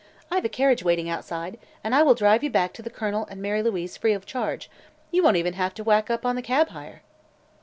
I've a carriage waiting outside, and I will drive you back to the Colonel and Mary Louise free of charge. You won't even have to whack up on the cab hire."